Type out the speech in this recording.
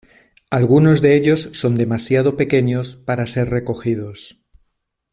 Algunos de ellos son demasiado pequeños para ser recogidos.